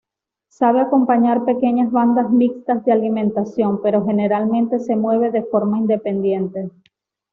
Sabe acompañar pequeñas bandadas mixtas de alimentación, pero generalmente se mueve de forma independiente.